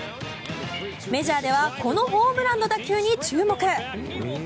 メジャーではこのホームランの打球に注目。